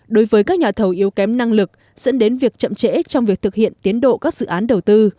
đối với các nhà thầu yếu kém năng lực dẫn đến việc chậm trễ trong việc thực hiện tiến độ các dự án đầu tư